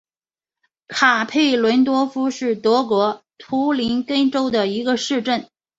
卡佩伦多夫是德国图林根州的一个市镇。